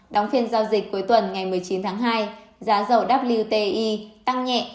đóng phiên giao dịch cuối tuần ngày một mươi chín tháng hai giá dầu wti tăng nhẹ